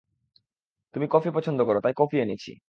তুমি কফি পছন্দ কর, তাই কফি এনেছি।